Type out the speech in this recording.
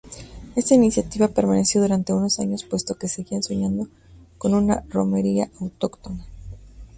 Esta iniciativa permaneció durante unos años puesto que seguían soñando con una romería autóctona.